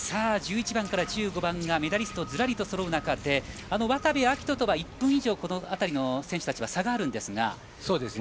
１１番から１５番がメダリストずらりとそろう中で渡部暁斗とは１分以上この辺りの選手たちとは差があるんですが。